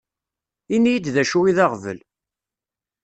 Ini-yi-d d acu i d aɣbel.